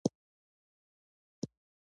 خاوره د افغانستان یوه طبیعي ځانګړتیا ده.